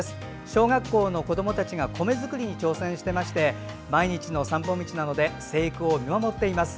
小学校の子どもたちが米作りに挑戦してまして毎日の散歩道なので生育を見守っています。